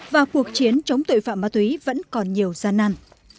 và cuộc chiến chống tội phạm ma túy vẫn còn nhiều gian năn